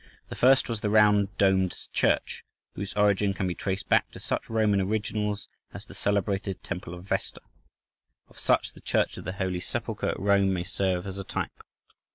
The first was the round domed church, whose origin can be traced back to such Roman originals as the celebrated Temple of Vesta—of such the Church of the Holy Sepulchre at Rome may serve as a type.